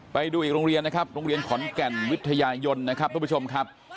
ไปดูอีกโรงเรียนนะครับโรงเรียนขอนแก่นวิทยายนนะครับทุกผู้ชมครับ